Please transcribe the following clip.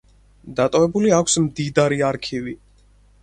დატოვებული აქვს მდიდარი არქივი.